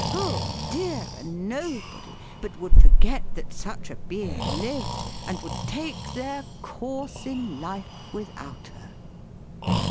oh, dear! a nobody! but would forget that such a being lived, and would take their course in life without her.